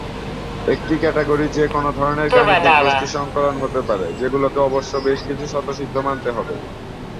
একটি ক্যাটাগরি যে কোন ধরনের গাণিতিক বস্তুর সংকলন হতে পারে, যেগুলোকে অবশ্য বেশ কিছু স্বতঃসিদ্ধ মানতে হবে।